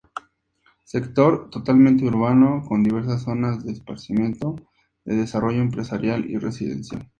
Sector totalmente urbano con diversas zonas de esparcimiento, de desarrollo empresarial y residencial.